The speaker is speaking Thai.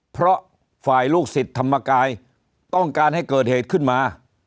เพราะฝ่ายลูกศิษย์ธรรมกายต้องการให้เกิดเหตุขึ้นมา